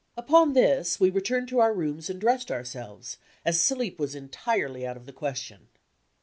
Upon this we returned to our rooms and dressed ourselves, as sleep was entirely out of the question.